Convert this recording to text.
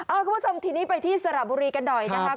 คุณผู้ชมทีนี้ไปที่สระบุรีกันหน่อยนะคะ